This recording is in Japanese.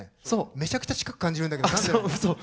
めちゃくちゃ近く感じるんだけど何で。